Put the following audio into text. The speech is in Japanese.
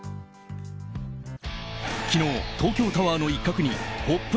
昨日、東京タワーの一角に「ポップＵＰ！」